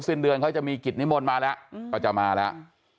สิ้นเดือนเขาจะมีกิจนิมนต์มาแล้วก็จะมาแล้ว